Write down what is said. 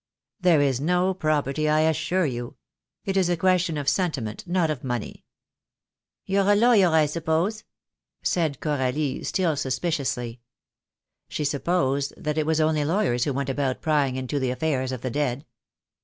"There is no property, I assure you. It is a question of sentiment, not of money." "You're a lawyer, I suppose?" said Coralie, still sus piciously. She supposed that it was only lawyers who went about prying into the affairs of the dead.